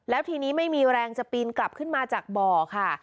แล้วทีนี้ไม่มีแรงจะปีนกลับขึ้นมาจากบ่อค่ะ